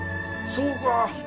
そうか。